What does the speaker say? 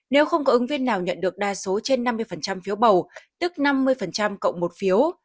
nếu không có ứng viên nào nhận được đa số trên năm mươi phiếu bầu tức năm mươi cộng một phiếu